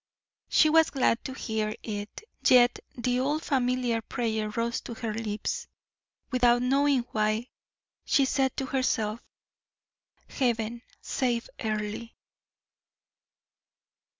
She was glad to hear it; yet the old familiar prayer rose to her lips. Without knowing why, she said to herself: "Heaven save Earle!"